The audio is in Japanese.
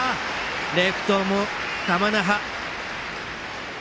レフトの玉那覇。